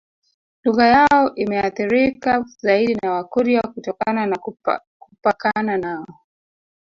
Lugha yao imeathirika zaidi na Wakurya kutokana na kupakana nao